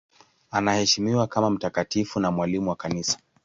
Anaheshimiwa kama mtakatifu na mwalimu wa Kanisa.